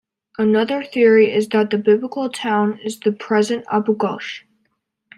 Another theory is that the biblical town is the present Abu Ghosh.